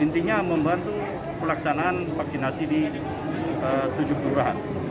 intinya membantu pelaksanaan vaksinasi di tujuh kelurahan